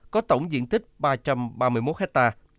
có tổng diện tích ba trăm ba mươi một hectare